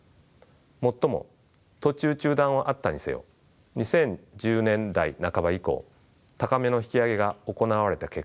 最も途中中断はあったにせよ２０１０年代半ば以降高めの引き上げが行われた結果